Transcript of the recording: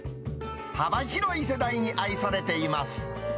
幅広い世代に愛されています。